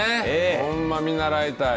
ほんま見習いたい。